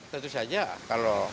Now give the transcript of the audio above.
tentu saja kalau